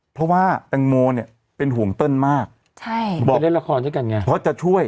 เพราะว่าแตงโมเนี่ยเป็นห่วงเติ้ลมากใช่บอกจะเล่นละครด้วยกันไงเพราะจะช่วย